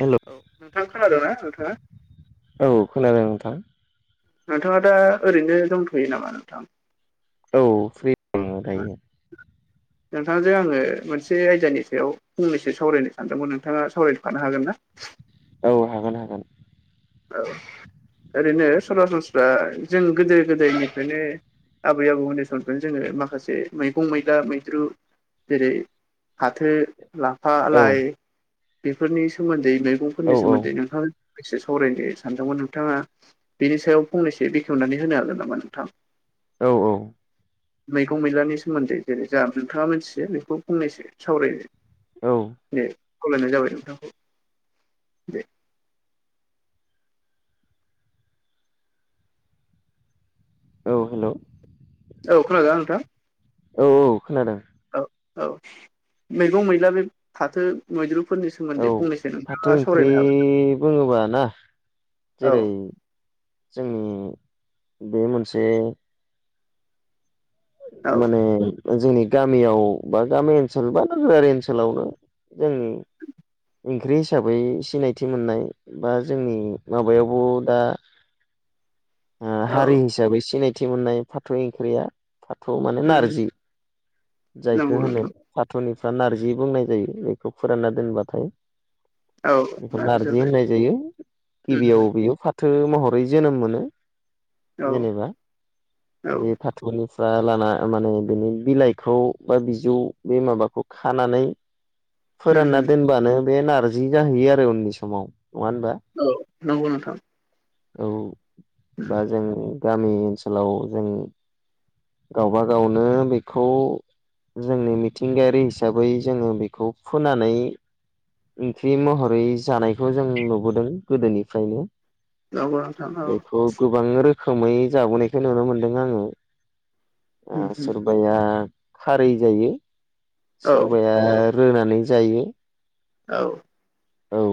हेल' औ नोंथाङा खोनादोंना नोंथाङा? औ खोनादों नोंथां। नोंथाङा दा ओरैनो दंथ'यो नामा नोंथां? औ फ्रि दंङ दायो। [inaudible] नोंथाङजों आङो मोनसे आयदानि सायाव फंनैसो सावरायनो सानदोंमोन नोंथाङा सावरायफानो हागोन ना? औ हागोन हागोन। औ ओरैनो सरासनफ्रा जों गोदो गोदायनिफ्रायनो आबै आबौ मोननि समनिफ्रायनो जोङो माखासे मैगं मैला मैद्रु जेरै फाथो लाफा औ लाइ बेफोरनि सोमोन्दै औ मैगंफोरनि सोमोन्दै नोंथाङा [unintelligible] सावरायनो सानदोंमोन नोंथाङा बेनि सायाव फंनैसो बेखेवनानै होनो हागोन नामा नोंथां? औ मैगं मैलानि सोमोन्दै जेरै जा नोंथाङा मिथियो बेखौ फंनैसो सावरायनो। औ। दे खावलायनाय जाबाय नोंथांखौ दे। औ हेल'। औ खोनादोंना नोंथा? औ औ खोनादों। औ औ मैगं मैला बे फाथो मैद्रुफोरनि औ सोमोन्दै फंनैसो नोंथाङा फाथो ओंख्रि सावरायनो हागोन बुङोबा ना जेरै औ जोंनि बे मोनसे औ माने ओ जोंनि गामियाव बा गामि ओनसोल बा नोगोरारि ओनसोलावनो जोंनि ओंख्रि हिसाबै सिनायथि मोननाय बा जोंनि माबायावबो दा। ओ औ हारि हिसाबै सिनायथि मोननाय फाथौ ओंख्रिया फाथौ माने उम नारजि जायखौ नंगौ होनो नोंथां फाथ'निफ्रा नारजि बुंनाय जायो बेखौ फुराना दोनबाथाय। औ बेखौ नारजि जाबाय होननाय जायो गिबियाव उम बेयो फाथ थो महरै जोनोम मोनो औ जेनेबा औ उम बे फाथ'निफ्राय लाना माने बिनि बिलाइ खौ बा बिजौ बे माबाखौ खानानै फोरानना दोनबानो बे नारजि जाहैयो आरो उननि समाव नङा होनबा? औ नंगौ नोंथां। औ बा जोनि गामि ओनसोलाव जों गावबागावनो बे खौ जोंनि मिथिंगायारि हिसाबै जोङो बेखौ फुनानै ओंख्रि महरै जानायखौ जों नुबोदों गोदोनिफ्रायनो नंगौ नोंथां औ बेखौ। गोबां रोखोमै जाबोनायखौ नुनो मोनदों आङो ओ उम सोर बाया खारै जायो औ सोरबाया रोनानै जायो। औ। औ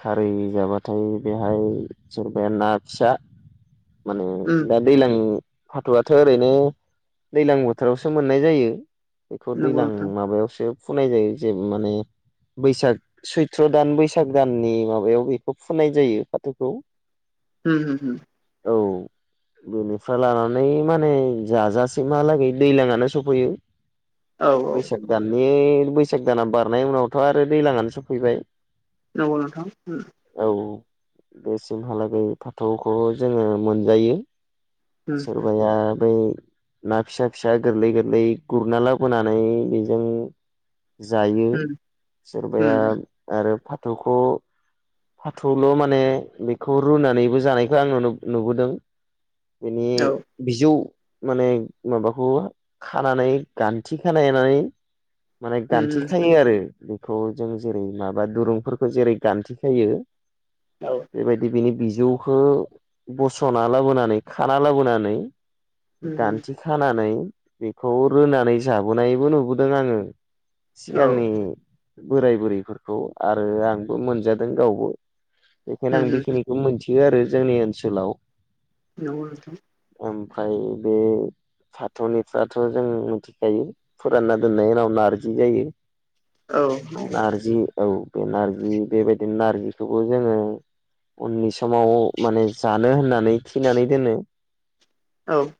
खारै जाबाथाय बेहाय सोरबाया ना फिसा माने उम दा दैज्लां फाथ'आथ' ओरैनो दैज्लां बोथोरावसो मोननाय जायो। बेखौ नंगौ दैज्लां नोंथां माबायावसो फुनाय जायो जे माने बैसाग सै त्र दान बैसाग दाननि माबायाव बेखौ फोनाय जायो फाथोखौ। उम होम। औ। बेनिफ्राय लानानै माने जाजासिमहालागै दैज्लांयानो सफैयो। औ औ बैसाग दाननि बैसाग दाना बारनाय उनावथ' आरो दैज्लांआनो सफैबाय। नंगौ नोंथां। औ बेसिमहालागै फाथौखौ जोङो मोनजायो। उम सोरबाया बै ना फिसा फिसा गोरलै गोरलै गुरना लाबोनानै बेजों जायो उम सोरबाया उम आरो फाथौखौ फाथल' माने बेखौ रुनानैबो जानायखौ आं नु नुबोदों। बेनि औ बिजौ माने माबाखौ खानानै गान्थि खानायनानै माने उम उम गान्थिखायो आरो बेखौ जों जेरै माबा दुरुंफोरखौ जेरै गान्थिखायो औ बेबायदि बिनि बिजौखौ बस'ना लाबोनानै खाना लाबोनानै गान्थि खानानै बेखौ रोनानै जाबोनायबो नुबोदों आङो औ सिगांनि बोराय बुरैफोरखौ आरो आंबो मोनजादों गावबो बेखायनो आं बेखिनिखौ मोनथियो आरो जोंनि ओनसोलाव न [unintelligible] ओमफ्राय बे भाथौनिफ्राथ' जों मिथिखायो फुराना दोननायनि उनाव नारजि जायो नारजि औ बे नारजि बेबायदिनो नारजिखौबो जोङो उननि समाव माने जानो होननानै थिनानै दोनो औ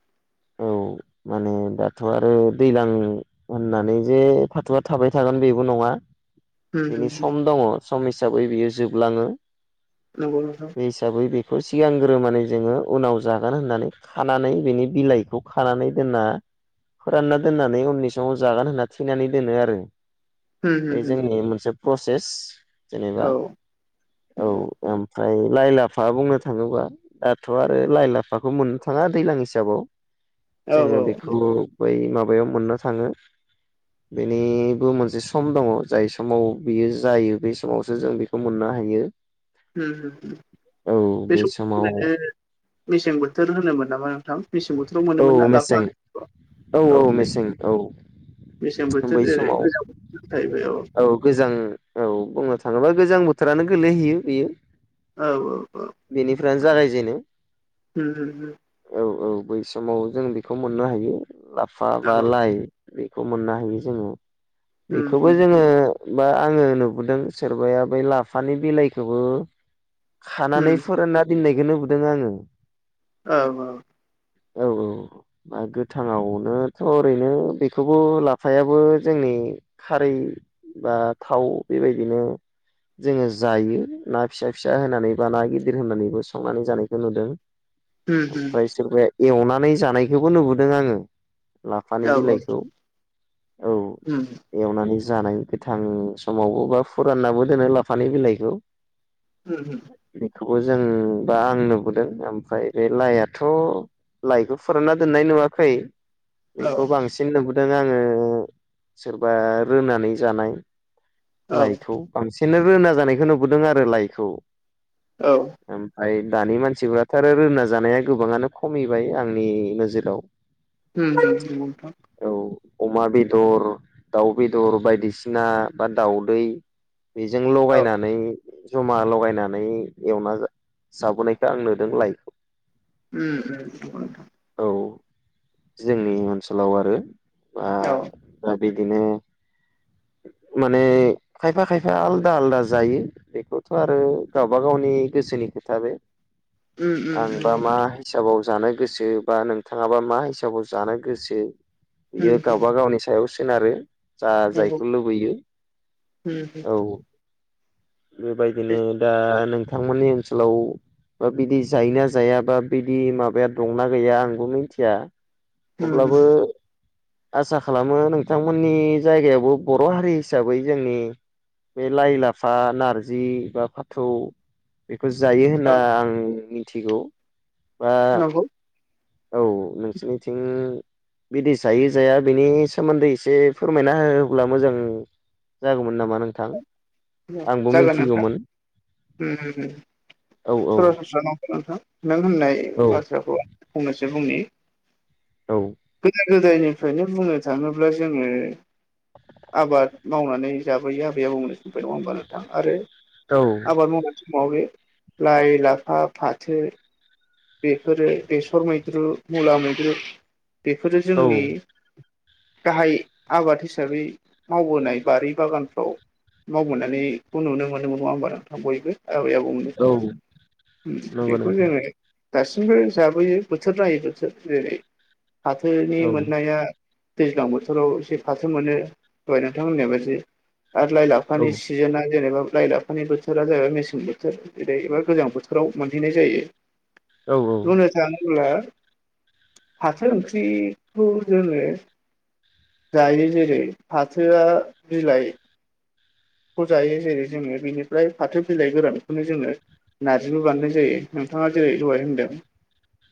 औ माने दाथ' आरो दैज्लां होननानै जे फाथो थाबाय थागोन बेबो नङा बिनि सम दङ सम हिसाबै बियो जोबलाङो नंगौ नोंथां बे हिसाबै बेखौ सिगांग्रो माने जोङो उनाव जागोन होननानै खानानै बिनि बिलाइखौ खानानै दोनना फोरानना दोननानै उननि समाव जागोन होनना थिनानै दोनो आरो बे जोंनि मोनसे प्रसेस जेनेबा औ औ ओमफ्राय लाइ लाफा बुंनो थाङोबा दाथ' आरो लाइ लाफाखौ मोननो थाङा दैज्लां हिसाबाव औ जोङो बेखौ बै माबायाव मोननो थाङो बेनिबो मोनसे सम दङ जाय समाव बियो जायो बे समावसो जों बेखौ मोननो हायो उम औ बे सम समाव [unintelligible] मेसें बोथोर होनोमोन नामा नोंथां मेसें बोथोराव औ मोनोमोन ना मेसें लाफा औ औ मेसें औ बेसें बोथोर बै जेरै समाव गोजां बोथोर थाहैबाय औ औ गोजां औ बुंनो थाङोब्ला गोजां बोथोरानो गोलैहैयो बेयो औ औ बेनिफ्रायनो जागायजेनो औ औ औ औ बै समाव जों बेखौ मोननो हायो लाफा बा औ लाइ बेखौ मोननो हायो जोङो उम बेखौबो जोङो ह बा आङो नुबोदों सोरबाया बै लाफानि बिलाइखौबो खानानै फोरानना दोननायखौ नुबोदों आङो औ औ औ औ गोथाङावनोथ' ओरैनो बेखौबो लाफायाबो जोंनि खारै बा थाव बेबायदिनो जोङो जायो ना फिसा फिसा होनानै बा ना गिदिर होननानैबो संनानै जानायखौ नुदों [inaudible] ओमफ्राय सोरबाया एवनानै जानायखौबो नुबोदों आङो लाफानि बिलाइखौ औ उम एवनानै जानाय गोथां समावबो बा फुरानाबो दोनो लाफानि बिलाइखौ उम उम बेखौबो जों बा आं नुबोदों ओमफ्राय बे लाइआथ' लाइखौ फोरानना दोननाय नुवाखै बेखौ बांसिन नुबोदों आङो ओमफ्राय रोनानै जानाय लाइखौ बांसिननो रोना जानायखौ नुबोदों आरो लाइखौ औ ओमफाय दानि मानसिफ्राथ' आरो रोंना जानाया गोबाङानो खमिबाय आंनि नोजोराव। उम उम नोंगौ नोंथां। औ अमा बेदर, दाउ बेदर बायदिसिना बा दाउदै बेजों लगायनानै जमा लगायनानै एवना जाबोनायखौ आं नुदों लाइखौ उम उम नोंगौ नोंथां। औ जोंनि अनसोलाव आरो बा औ दा बिदिनो माने खायफा-खायफा आलादा-आलादा जायो। बेखौथ' आरो गावबा गावनि गोसोनि खोथा बे उम आंबा उम मा हिसाबाव जानो गोसो बा नोंथाङाबा मा हिसाबाव जानो गोसो नंगौ उम बियो उम गावबा गावनि सायाव सोनारो। जा नंगौ जायखौ लुबैयो उम औ बेबायदिनो दा नोंथांमोननि ओनसोलाव बा बिदि जायोना जाया बा बिदि माबाया दंना गैया आंबो मिथिया। उम अब्लाबो आसा खालामो नोंथांमोननि जायगायावबो बर' हारि हिसाबै जोंनि बे लाइ, लाफा, नारजि बा फाथौ बेखौ जायो होनना औ आं मिथिगौ बा नंगौ औ नोंसोरनिथिं बिदि जायो जाया बिनि सोमोन्दै एसे फोरमायना होब्ला मोजां जागौमोन नामा नोंथां? आंबो जागोन नोंथां मिथिगौमोन उम उम औ औ सरासरस्रा न' नोंथां? नों होननाय औ बाथ्राखौ फंनैसो बुंनि। औ गोदो-गोदायनिफ्रायनो बुंनो थाङोब्ला जोङो आबाद मावनानै जाबोयो आबै-आबौमोननि समनिफ्राय नङा होनबा नोथां? आरो औ आबाद मावनानै लाइ, लाफा, फाथो बेफोरो बेसर मैद्रु, मुला मैद्रु बेफोरो जोंनि औ गाहाय आबाद हिसाबै मावबोनाय बारि बागानफ्राव मावबनानैखौ नुनो मोनो नङा होनबा नोंथां? बयबो आबै-आबौ मोनखौ औ नंगौ बेखौ नोंथां जोङो दासिमबो जाबोयो बोथोर नायै बोथोर जेरै फाथोनि औ मोननाया दैज्लां बोथोराव एसे फाथो मोनो। दहाय नोंथांमोननाय बाददि आरो लाइ औ लाफानि सिजोनना जेनेबा लाइ, लाफानि बोथोरा जाहैबाय मेसें बोथोर जेरै एबा गोजां बोथोराव मोनहैनाय जायो। औ औ होनब्ला थाङोब्ला फाथो ओंख्रिखौ जोङो जायो जेरै- फाथोआ बिलाइ खौ जायो जेरै- जोङो बेनिफ्राय फाथो बिलाइ गोरानखौनो जोङो नारजिबो बानायनाय जायो। नोंथाङा जेरै-दहाय होनदों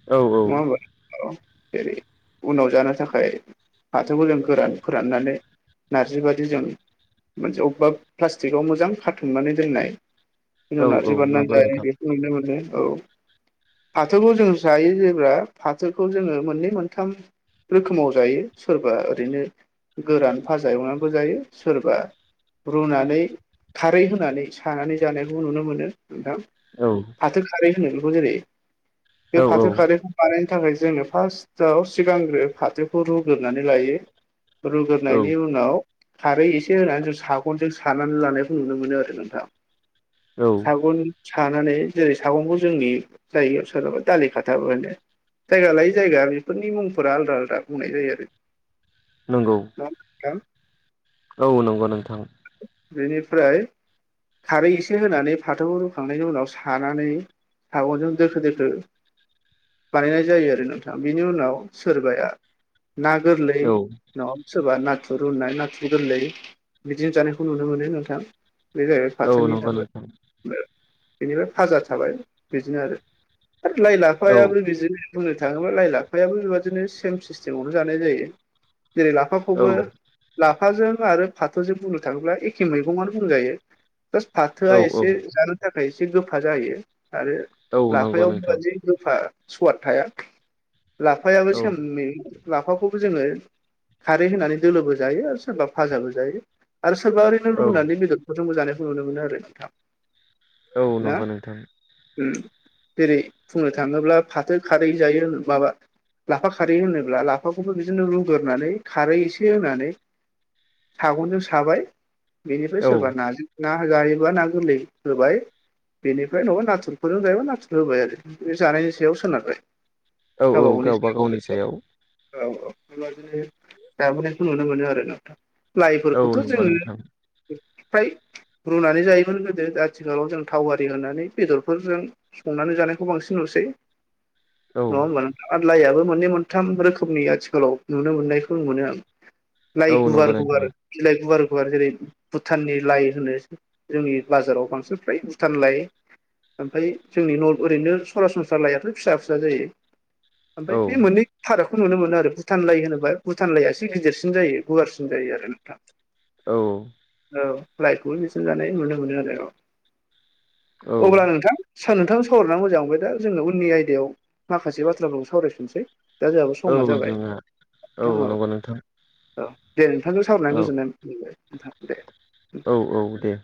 औ औ नङा होमबा? औ जेरै- उनाव जानो थाखाय फाथोखौ जों गोरान फोराननानै नारजि बादि जों मोनसे अबबा प्लाष्टिकाव मोजां खाथुमनानै दोननाय बिनि उनाव औ नारजि नंगौ बानायनानै नोंथां जानाय नुनो मोनो। औ फाथोखौ जों जायो जेब्ला फाथोखौ जोङो मोननै मोनथाम रोखोमाव जायो सोरबा ओरैनो गोरानफााजा एवनानैबो जायो सोरबा रुनानै खारै होनानै सानानै जानायखौ नुनो मोनो नोंथां। औ। फाथो खारै होनो बेखौ जेरै बे औ फाथो खारैखौ बानायनो थाखाय जोङो फार्स्टआव सिगांग्रो फाथोखौ रुग्रोनानै लायो। औ रुग्रोनायनायनि उनाव खारै एसे होनानै जों सा सानानै लानायखौ नुनो मोनो आरो नोंथां औ सागुन सानानै जेरै सागंखौ जोंनि जायगायाव सोरनाबा दालि खाथाबो होनो। जायगा लायै जायगा बेफोरनि मुंफोरा आलदा आलदा बुंनाय जायो आरो। नोंगौ। [unintelligible] औ नंगौ नोंथां। बेनिफ्राय खारै एसे होनानै फाथोखौ रुखांनायनि उनाव सानानै सागं'जों दोखो दोखो बानायनाय जायो आरो नोंथां बिनि उनाव सोरबाया ना गोरलै औ नङाबा सोरबा नाथुर दुनाय नाथुर गोरलै बिदिनो जानायखौ नुनो मोनो नोंथां बे जाहैबाय औ नंगौ फाथोनिफ्रायबो नोंथां बेनिफ्राय फाजा थाबाय बिदिनो आरो आरो लाइ औ लाफायाबो बिदिनो बुंनो थाङोब्ला लाइ लाफायाबो बेबादिनो सेम सिस्टेमावनो जानाय जायो जेरै लाफ औ लाफाखौबो लाफाजों आरो फाथोजों बुंनो थाङोब्ला एखे मैगं'आनो बुंजायो। जास फाथोआ औ औ एसे जानो थाखाय एसे गोफा जाहैयो आरो औ नंगौ लाफायाव नोंथां बेबादि गोफा सवाद थाया लाफायाबो औ सेमयै लाफाखौबो जोङो खारै होनानै दोलोबो जायो आरो सोरबा फाजाबो जायो आरो सोरबा ओरै नो औ रुनानै बेदरफोरजोंबो जानायखौ नुनो मोनो आरो नोंथां। औ नंगौ नोंथां। ओम जेरै बुंनो थाङोब्ला फाथो खारै जायो माबा लाफा खारै होनोब्ला लाफाखौबो बिदिनो रुग्रोनानै खारै एसे होनानै सागंजों साबाय बेनिफ्राय औ सोरबा नाजों ना जायोबा ना गोरलै होबाय। बेनिफ्राय नङाबा नाथुरफोरजों जायोबा नाथुर होबाय आरो बे जानायनि सायाव सोनारबाय। औ औ गावबागावनि गावबा सायाव गावनि [unintelligible] औ औ बेबादिनो जाबोनायखौ नुनो मोनो आरो नोंथां। औ लाइफोरखौथ' नंगौ नोंथां जोङो फ्राय रुनानै जायोमोन गोदो आथिखालाव जों थाव आरारि होनानै बेदरफोरजों संनानै जानायखौ बांसिन नुसै औ नङा होमबा नों आरो लाइआबो मोननै मोनथाम रोखोमनि आथिखालाव नुनो मोननायखौ मोनो आं औ लाइ नंगौ गुवार नोंथां बिलाय गुवार गुवार जेरै भुटाननि लाइ होनो। जोंनि बाजाराव बांसिन फ्राय भुटान लाय ओमफ्राय जोंनि न' ओरैनो सरासनस्रा लायाथ' फिसा फिसा जायो। ओमफ्राय औ बे मोननै फारागखौ नुनो मोनो आरो भुटान लाइ होनोबा भुटान लाइआ एसे गिदिरसिन जायो गुवारसिन। सिन जायो आरो नोंथां। औ। औ लाइखौबो बिसोर जानाय नुनो मोनो आरो औ औ। अब्ला नोंथां स नोंथां सावरायनानै मोजां मोनबाय दा जोंनो उननि आयदायाव माखासे बाथ्राफोरखौ सावरायफिनसै। दा जोंहाबो समा औ जाबाय जोंहा औ [unintelligible] नंगौ नोंथां औ दे नोंथांखौजों सावरायनानै औ गोजोननाय मोनबाय नोंथां दे। औ औ दे।